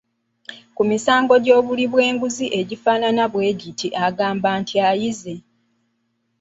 Ku misango j'obuli bweguzi egifaanana bwe giti agamba nti kati ayize.